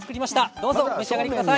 どうぞ、召し上がりください。